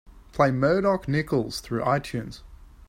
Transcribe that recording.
Play Murdoc Nicalls through Itunes.